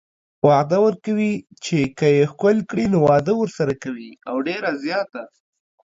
وعده ورکوي چې که يې ښکل کړي نو واده ورسره کوي او ډيره زياته